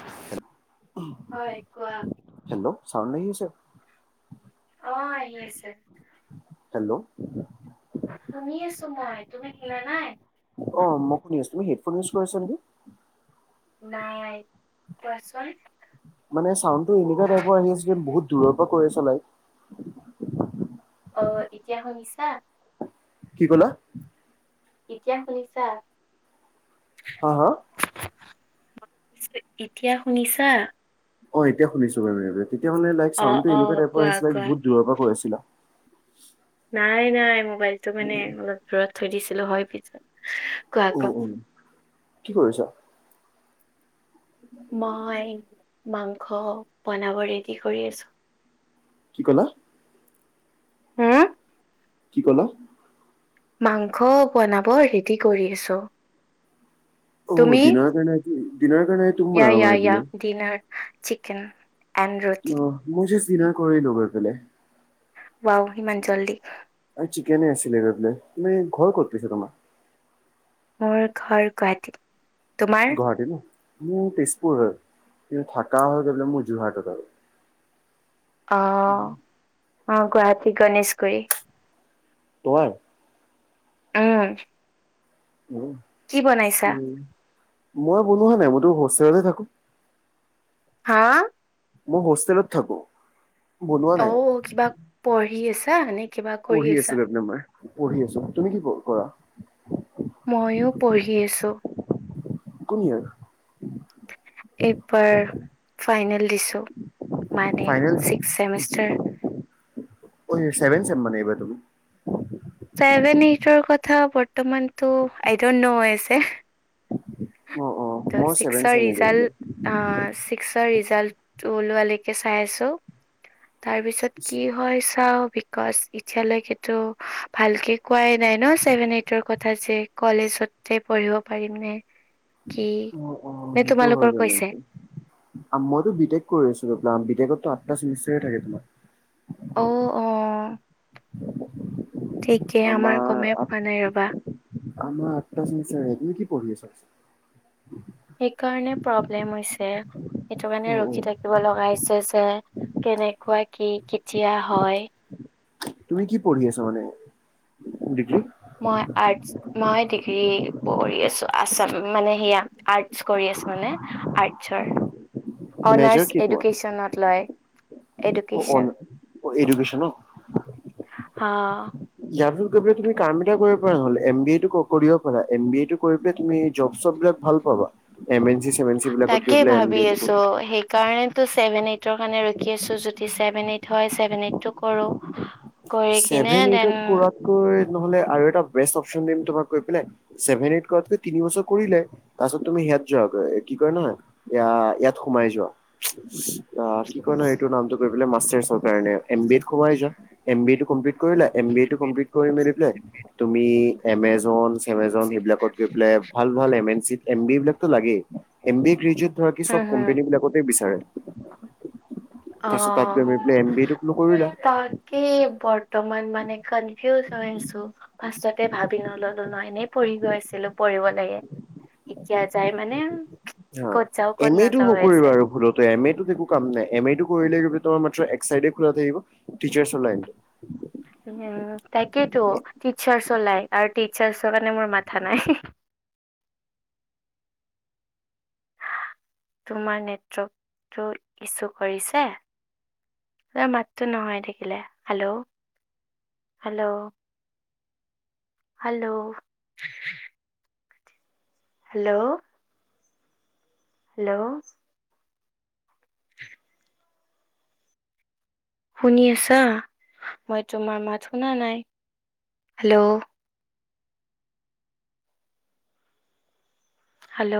[unintelligible] হয় কোৱা? হেল্ল' চাউন আহিছে। অঁ, আহি আছে। হেল্ল'। শুনি আছো মই, তুমি শুনা নাই? অঁ, মোক শুনি আছোঁ, তুমি হেডফোন ইউজ কৰিছা নেকি। নাই কোৱাচোন। মানে চাউণ্ডটো এনেকুৱা টাইপৰ আহি আছে যে বহুত দূৰৰ পৰা কৈ আছা লাইক। অ! এতিয়া শুনিছা? [unintelligible] কি ক'লা? [inaudible] এতিয়া শুনিছা? [unintelligible] হা হা? [unintelligible] এতিয়া শুনিছা? অঁ এতিয়া শুনিছো বাৰু তেতিয়া মানে ডাইৰেক্ট অ চাউণ্ডটো অ এনেকুৱা টাইপৰ কোৱা আহিছিলে কোৱা বহুত দূৰৰ পৰা কৈ আছিলা। [unintelligible] নাই-নাই, মোবাইলটো মানে অলপ দূৰত থৈ দিছিলো হয় পিছত। অ কোৱা-কোৱা? অ [unintelligible] কি কৰিছা? [unintelligible] উ [unintelligible] মই মাংস বনাব ৰেডি কৰি আছোঁ। [unintelligible] কি ক'লা? [unintelligible] হুম কি ক'লা? [unintelligible] মাংস বনাব ৰেডি কৰি আছোঁ। [unintelligible] অ তুমি? ডিনাৰৰ কাৰণে ডিনাৰৰ কাৰণে তুমি বনাবা মানে ইয়া-ইয়া-ইয়া ডিনাৰ চিকেন। [unintelligible] ৰুটি অঁ! মই জাষ্ট ডিনাৰ কৰিলো বাৰু গৈ পেলাই। [unintelligible] ৱাও! ইমান জল্দি? [unintelligible] চিকেনে আছিলে তাতে। এনেই ঘৰ ক'ত পিছে তোমাৰ? [unintelligible] মোৰ ঘৰ গুৱাহাটীত। [unintelligible] তোমাৰ? গুৱাহাটীত ন? মোৰ তেজপুৰ হয়। কিন্তু থাকা হৈ গৈ পেলাই মোৰ যোৰহাটত আৰু। [unintelligible] অঁ! [inaudible] অঁ! গুৱাহাটী গণেশগুৰি। তোমাৰ? [unintelligible] অঁ! [unintelligible] উম-উম [unintelligible] মই বনোৱা নাই। মইতো হোষ্টেলতহে থাকোঁ। হা? [unintelligible] মই হোষ্টেলত থাকোঁ। [unintelligible] অ! কিবা পঢ়ি আছা নে? [unintelligible] পঢ়ি আছো আছা? [unintelligible] মানে মই পঢ়ি আছো। তুমি কি কৰা? মইয়ো পঢ়ি আছোঁ। [unintelligible] কোন ইয়েৰ? [unintelligible] এইবাৰ ফাইনেল দিছোঁ মানে ছিক্স চেমিষ্টাৰ। [unintelligible] অঁ এই চেভেন চেম মানে এইবাৰ তুমি? [unintelligible] ছেভেন, এইটৰ কথা বৰ্তমানটো আই দন্ট ন‌ও হৈ আছে। [unintelligible] [unintelligible] অঁ-অঁ। তো ছিক্সৰ ৰিজাল্ট আহ ছিক্সৰ ৰিজাল্টটো ওলোৱালৈকে চাই আছোঁ। [unintelligible] তাৰ পিছত কি হয় চাওঁ। [unintelligible] বিকছ এতিয়ালৈকেটো ভালকে কোৱাই নাই ন ছেভেন, এইটৰ কথা যে কলেজত [unintelligible] তে পঢ়িব পাৰিম নে? [unintelligible] কি উম-উম, নে সেইটোও হয় তোমালোকৰ বাৰু। কৈছে [unintelligible] মইতো বি টেক কৰি আছো [unintelligible] বি কেটতো আঠটা চেমিষ্টাৰ থাকে তোমাৰ। অঁ-অঁ। [unintelligible] ঠিকে আমাৰ গমেই পোৱা নাই ৰবা। [unintelligible] আমাৰ আঠটা চেমিষ্টাৰে। তুমি কি পঢ়ি আছা? [unintelligible] সেইকাৰণে প্ৰব্লেম হৈছে। সেইটো অ কাৰণে অ ৰখি থাকি [unintelligible] ৰখিব লগা হৈছে যে কেনেকুৱা কি কেতিয়া হয়? [unintelligible] তুমি কি পঢ়ি আছা মানে ডিগ্ৰী? [unintelligible] মই আৰ্টচ। মই ডিগ্ৰী পঢ়ি আছোঁ আছাম মানে সেয়া [unintelligible] আৰ্টছ কৰি আছো মানে আৰ্টছৰ মেজৰ কি অনাৰ্চ তোমাৰ এডুকেশ্যনত লয় অ এডুকেশ্যন অ এডুকেশ্যন ন হা ইয়াৰ পিছত গৈ পিনে তুমি কাম এটা কৰিব পাৰা নহলে এম বি এ টো ক কৰিব পাৰা এম বি এ টো কৰি পেলাই তুমি জব চব বিলাক ভাল পাবা এম এন চি চেম এন চি বিলাকত গৈ তাকেই পেলাই এম বি ভাবি এটো কৰি আছো সেইকাৰণে ছেভেন এইটৰ কাৰনে ৰখি আছো যদি ছেভেন এইট টো হয় ছেভেন এইট টো কৰো কৰি কিনে ছেভেন এইট ত দেন কৰাতকৈ নহলে আৰু এটা বেষ্ট অপচন দিম তোমাক কৈ পেলাই ছেভেন এইট কৰাতকৈ তিনি বছৰ কৰিলাই তাছত তুমি হেয়াত যোৱাগৈ কি কয় নহয় এইয়া ইয়াত সোমাই যোৱা আহ্ কি কয় নহয় এইটো নামটো গৈ পেলাই মাষ্টাৰ্ছ ৰ কাৰণে এম বি এ সোমাই যোৱা এম বি এ টো কমপ্লিট কৰিলা এ বি এ টো কমপ্লিট কৰি পেলাই তুমি এমেজন চেমেজন সেইবিলাকত গৈ পেলাই ভাল ভাল M N C M B A বিলাকতো লাগেই এম বি এ গ্ৰেজৱেত ধৰা বাকী চব হম হম কোম্পেনি বিলাকতেই বিচাৰে অ তাৰছত তাত গৈ পিনে এম বিএ টো কৰিলা কি বৰ্তমান মানে কনফিউজ হৈ আছো ফাৰ্ষ্টতে ভাবি নললো নহ এনেই পঢ়ি গৈ আছিলো পঢ়িব লাগে এতিয়া যায় মানে অ ক'ত যাও ক'ত এম এ টো নাযাও হৈ আছে নকৰিবা আৰু ভুলত তো এম এ টোত একো কাম নাই এম এ টো কৰিলে তোমাৰ মাত্ৰ এক চাইডে খোলা থাকিব টিচাৰ্চৰ লাইনটো উ তাকেইেতো টিচাৰ্চ ওলাই আৰু টিচাৰ্চৰ কাৰণে মোৰ মাথা নাই তোমাৰ নেটৱৰ্কটো ইছু কৰিছে তোমাৰ মাততো নোহোৱা হৈ থাকিলে hello hello hello hello hello হয় শুনি আছা মই তোমাৰ মাত শুনা নাই হেল্ল' হেল্ল'